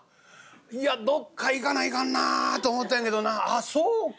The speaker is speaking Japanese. いやどっか行かないかんなと思ってんけどなあっそうか。